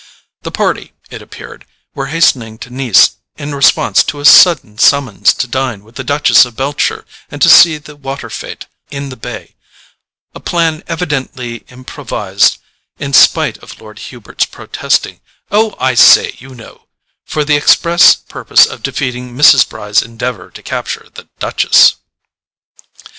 The party, it appeared, were hastening to Nice in response to a sudden summons to dine with the Duchess of Beltshire and to see the water fete in the bay; a plan evidently improvised—in spite of Lord Hubert's protesting "Oh, I say, you know,"—for the express purpose of defeating Mrs. Bry's endeavour to capture the Duchess.